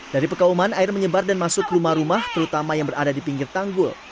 dari pekauman air menyebar dan masuk rumah rumah terutama yang berada di pinggir tanggul